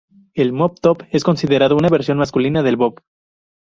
El mop-top es considerado una versión masculina del bob.